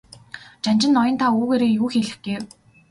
Жанжин ноён та үүгээрээ юу хэлэх гээв?